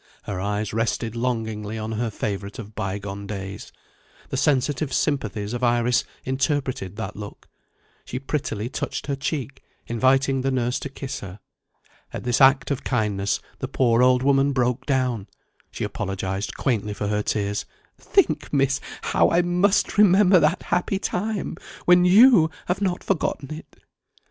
Her eyes rested longingly on her favourite of bygone days. The sensitive sympathies of Iris interpreted that look. She prettily touched her cheek, inviting the nurse to kiss her. At this act of kindness the poor old woman broke down; she apologised quaintly for her tears: "Think, Miss, how I must remember that happy time when you have not forgotten it."